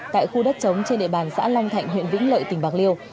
tại khu đất trống trên địa bàn xã long thạnh huyện vĩnh lợi tỉnh bạc liêu